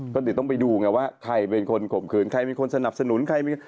ก็ต้องไปดูไงว่าใครเป็นคนข่มขืนใครเป็นคนสนับสนุน